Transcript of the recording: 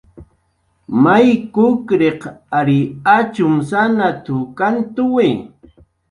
"May kukriq ary achumsanat"" kantuwi"